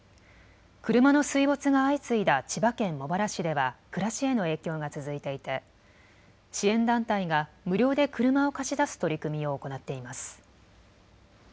車の水没が相次いだ千葉県茂原市では暮らしへの影響が続いていて支援団体が無料で車を貸し出す取り組みを行っています。